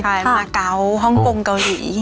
ขายมากาวฮาวงกงกาวรี